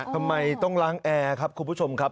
ทำไมต้องล้างแอร์ครับคุณผู้ชมครับ